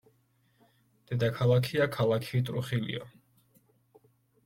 დედაქალაქია ქალაქი ტრუხილიო.